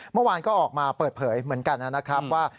เมื่อวานก็ออกมาเปิดเผยเหมือนกันนะครับว่า